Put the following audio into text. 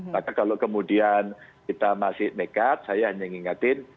maka kalau kemudian kita masih nekat saya hanya mengingatkan